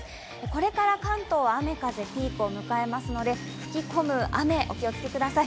これから関東は雨・風ピークを迎えますので、吹き込む雨、お気をつけください。